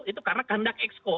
itu karena kehendak expo